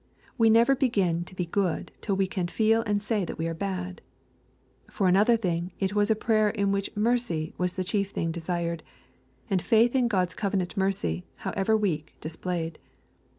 We never begin to be good till we can feel and say that we are bad. — ^For another thing, it was a prayer in which mercy was the chief thing desired, and faith in God's covenant mercy, however weak, displayed.